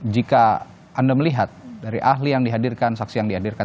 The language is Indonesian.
jika anda melihat dari ahli yang dihadirkan saksi yang dihadirkan